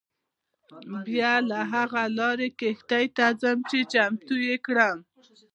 بیا له هغه لارې کښتۍ ته ځم چې چمتو یې کړم.